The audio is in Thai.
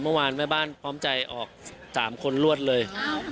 เมื่อวานแม่บ้านพร้อมใจออก๓คนรวดเลย